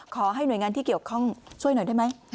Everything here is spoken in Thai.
ขอให้หน่วยงานที่เกี่ยวข้องช่วยหน่อยได้ไหม